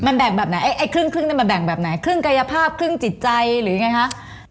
มันแบ่งแบบไหนไอ้ครึ่งเนี่ยมันแบ่งแบบไหนครึ่งกายภาพครึ่งจิตใจหรือยังไงคะ